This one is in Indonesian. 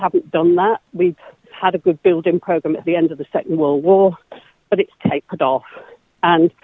pengurusan perumahan yang lebih aman